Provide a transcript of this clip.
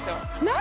何？